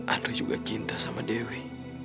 aku juga cinta sama dewi